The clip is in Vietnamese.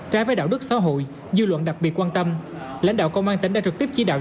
trái với đạo đức xã hội dư luận đặc biệt quan tâm lãnh đạo công an tỉnh đã trực tiếp chỉ đạo